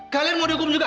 kalian mau dihukum juga